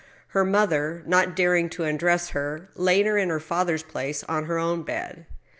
Her mother, not daring to undress her, laid her in her father's place on her own bed.